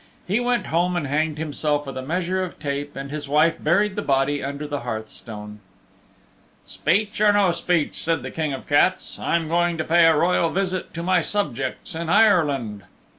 He went home and hanged himself with a measure of tape and his wife buried the body under the hearth stone. "Speech or no speech," said the King of the Cats, "I'm going to pay a royal visit to my subjects in Ireland."